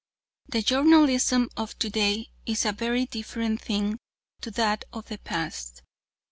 The journalism of to day is a very different thing to that of the past.